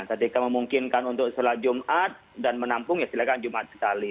jadi kamu memungkinkan untuk sholat jumat dan menampung ya silakan jumat sekali